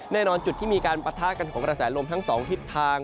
แน่นอนจุดที่มีการปะทะกันของกระแสลมทั้งสองทิศทาง